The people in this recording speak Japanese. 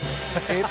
えっ？